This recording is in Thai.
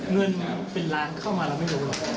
เงินเป็นล้านเข้ามาเราไม่รู้หรอก